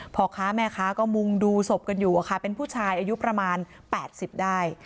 พ่อค้าแม่ค้าก็มุงดูศพกันอยู่เป็นผู้ชายอายุประมาณ๘๐ได้